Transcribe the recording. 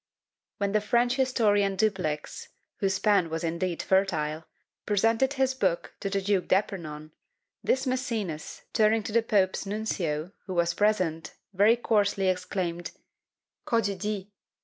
When the French historian Dupleix, whose pen was indeed fertile, presented his book to the Duke d'Epernon, this Mæcenas, turning to the Pope's Nuncio, who was present, very coarsely exclaimed "Cadedids!